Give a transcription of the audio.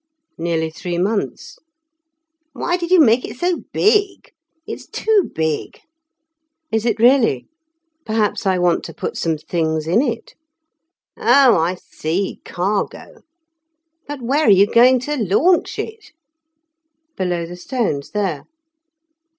"Nearly three months." "Why did you make it so big? It is too big." "Is it really? Perhaps I want to put some things in it." "Oh, I see; cargo. But where are you going to launch it?" "Below the stones there."